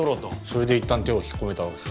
それでいったん手を引っ込めたわけか。